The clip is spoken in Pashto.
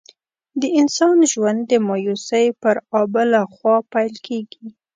د انسان ژوند د مایوسۍ پر آبله خوا پیل کېږي.